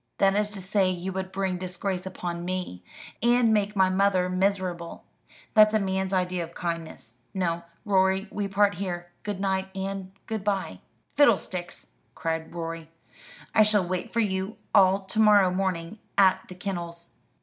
"That is to say you would bring disgrace upon me, and make my mother miserable. That's a man's idea of kindness. No, Rorie, we part here. Good night, and good bye." "Fiddlesticks!" cried Rorie. "I shall wait for you all to morrow morning at the kennels."